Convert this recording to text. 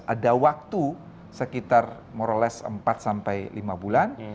ada waktu sekitar moroles empat sampai lima bulan